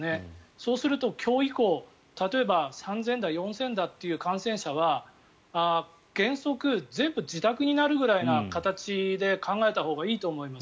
そうすると、今日以降例えば３０００だ４０００だという感染者の場合原則、全部自宅になるぐらいな形で考えたほうがいいと思います。